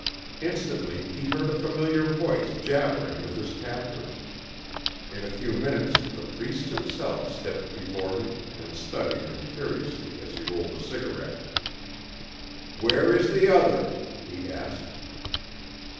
Instantly he heard a familiar voice jabbering with his captors. In a few minutes the Priest himself stepped before him and studied him curiously as he rolled a cigarette. "Where is the other?" he asked.